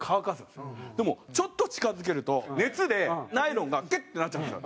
でもちょっと近付けると熱でナイロンがキュッてなっちゃうんですよ。